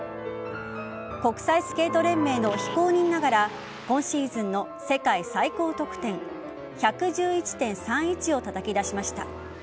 国際スケート連盟の非公認ながら今シーズンの世界最高得点１１１．３１をたたき出しました。